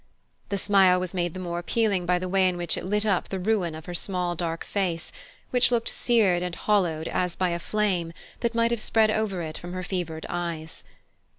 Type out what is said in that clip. The smile was made the more appealing by the way in which it lit up the ruin of her small dark face, which looked seared and hollowed as by a flame that might have spread over it from her fevered eyes.